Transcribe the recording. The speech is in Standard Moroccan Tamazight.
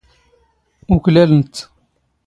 ⵓⴽⵍⴰⵍⵏ ⵜⵜ.